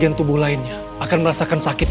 itu ada yang berkalahin